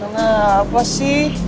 nah apa sih